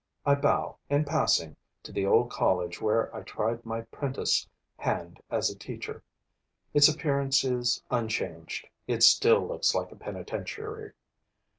I bow, in passing, to the old college where I tried my prentice hand as a teacher. Its appearance is unchanged; it still looks like a penitentiary.